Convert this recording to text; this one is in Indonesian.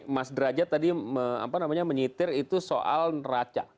mas raja tadi apa namanya menyetir itu soal neraca